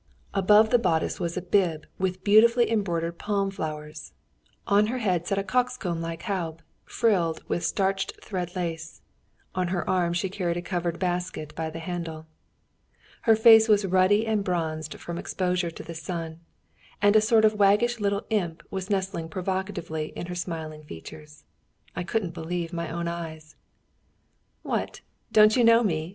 Above the bodice was a bib with beautifully embroidered palm flowers; on her head sat a cockscomb like Haube, frilled with starched thread lace; on her arm she carried a covered basket by the handle. Her face was ruddy and bronzed from exposure to the sun, and a sort of waggish little imp was nestling provocatively in her smiling features. I couldn't believe my own eyes. "What! don't you know me?"